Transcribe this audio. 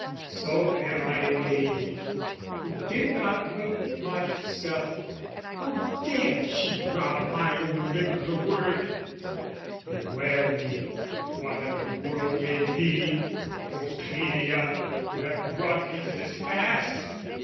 So am I made, "who did not make myself:" (How dared she rob my own lip of the word?) Beware me in what other world may be! Pompilia, who have brought me to this pass!